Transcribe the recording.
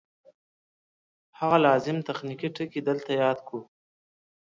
هغه لازم تخنیکي ټکي دلته یاد کړو